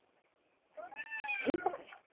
いいことじゃん。